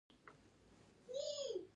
فکري کار په یو مشخص قشر پورې وتړل شو.